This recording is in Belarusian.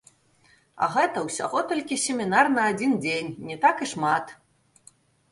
А гэта ўсяго толькі семінар на адзін дзень, не так і шмат.